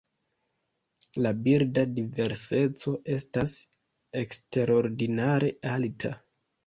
La birda diverseco estas eksterordinare alta.